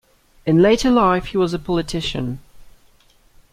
In later life he was a politician.